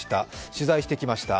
取材してきました。